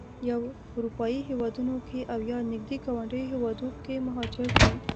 یا اروپایي هېوادونو کې او یا نږدې ګاونډیو هېوادونو کې مهاجر دي.